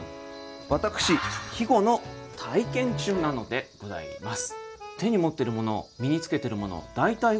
私季語の体験中なのでございます。